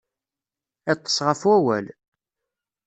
Iṭṭes ɣef wawal.